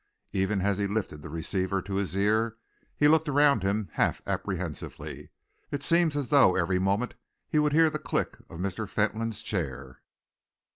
Even as he lifted the receiver to his ear, he looked around him half apprehensively. It seemed as though every moment he would hear the click of Mr. Fentolin's chair.